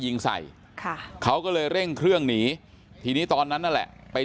ยิงใส่ค่ะเขาก็เลยเร่งเครื่องหนีทีนี้ตอนนั้นนั่นแหละไป